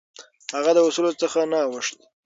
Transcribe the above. هغه د اصولو څخه نه اوښت.